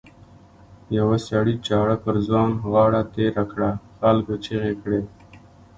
یوه سړي چاړه پر ځوان غاړه تېره کړه خلکو چیغې کړې.